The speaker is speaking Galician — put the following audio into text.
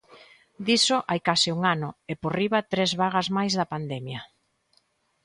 Diso hai case un ano e por riba tres vagas máis da pandemia.